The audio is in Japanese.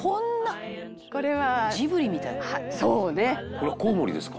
「これコウモリですか？」